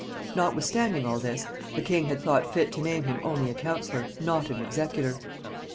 Notwithstanding all this, the king had thought fit to name him only a counsellor, not an executor.